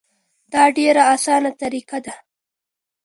دا ډیره اسانه طریقه ده.